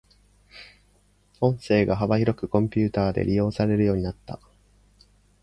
音声が幅広くコンピュータで利用されるようになった。